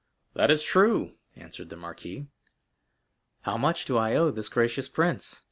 0091m "That is true," answered the marquis. "How much do I owe this gracious prince!